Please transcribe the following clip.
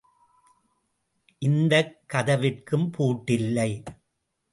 இந்தக் கதவிற்கும் பூட்டில்லை.